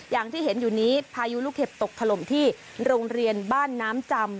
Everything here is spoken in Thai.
อย่างที่เห็นอยู่นี้พายุลูกเห็บตกถล่มที่โรงเรียนบ้านน้ำจำ